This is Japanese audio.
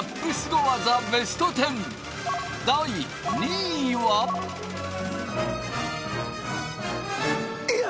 第２位はいや！